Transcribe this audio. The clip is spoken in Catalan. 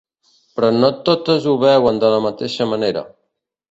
Però no totes ho veuen de la mateixa manera.